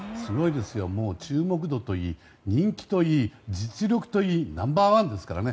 もう注目度といい人気といい、実力といいナンバー１ですからね。